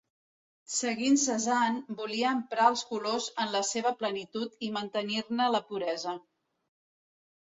Seguint Cézanne, volia emprar els colors en la seva plenitud i mantenir-ne la puresa.